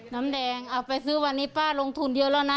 น้ำแดงเอาไปซื้อวันนี้ป้าลงทุนเยอะแล้วนะ